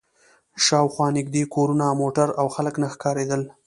شا و خوا نږدې کورونه، موټر او خلک نه ښکارېدل.